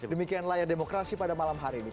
demikian layar demokrasi pada malam hari ini